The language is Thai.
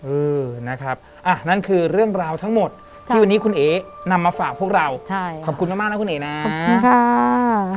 เออนะครับอ่ะนั่นคือเรื่องราวทั้งหมดที่วันนี้คุณเอ๋นำมาฝากพวกเราขอบคุณมากนะคุณเอ๋นะ